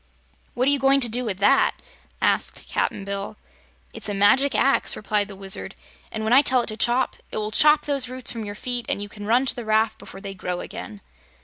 "What are you going to do with that?" asked Cap'n Bill. "It's a magic axe," replied the Wizard, "and when I tell it to chop, it will chop those roots from your feet and you can run to the raft before they grow again."